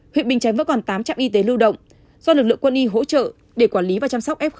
huyện bình chánh vẫn còn tám trạm y tế lưu động do lực lượng quân y hỗ trợ để quản lý và chăm sóc f